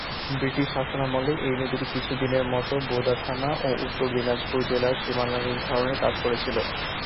British শাসনামলে এই নদীটি কিছুদিনের মতো বোদা থানা ও উত্তর দিনাজপুর জেলার সীমানা নির্ধারণের কাজ করেছিলো।